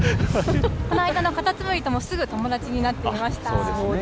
この間のカタツムリともすぐ友達になっていました。